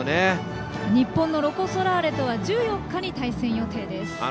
日本のロコ・ソラーレとは１４日に対戦予定です。